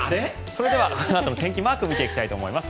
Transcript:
それではこのあとの天気マーク見ていきたいと思います。